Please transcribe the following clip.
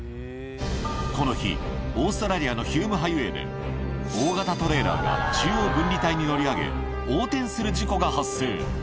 この日、オーストラリアのヒューム・ハイウエーで、大型トレーラーが中央分離帯に乗り上げ、横転する事故が発生。